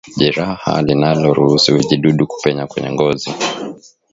Jeraha linaloruhusu vijidudu kupenya kwenye ngozi